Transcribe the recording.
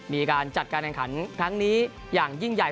มีการจัดการแข่งขันครั้งนี้อย่างยิ่งใหญ่